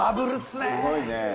すごいね。